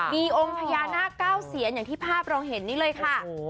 มีองค์พญานาคเก้าเซียนอย่างที่ภาพเราเห็นนี่เลยค่ะ